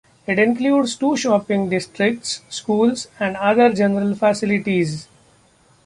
It includes two shopping districts, schools and other general facilities.